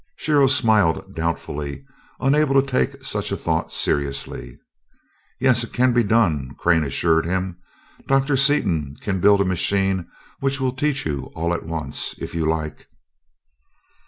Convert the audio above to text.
Shiro smiled doubtfully, unable to take such a thought seriously. "Yes, it can be done," Crane assured him. "Doctor Seaton can build a machine which will teach you all at once, if you like."